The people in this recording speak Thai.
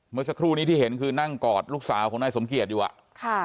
เมื่อสักครู่นี้ที่เห็นคือนั่งกอดลูกสาวของนายสมเกียจอยู่อ่ะค่ะ